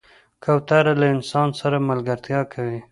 کوتره له انسان سره ملګرتیا کوي.